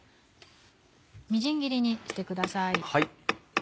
みじん切りにしてください。